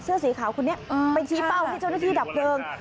เสื้อสีขาวคนนี้ไปชี้เป้าให้เจ้าหน้าที่ดับเพลิง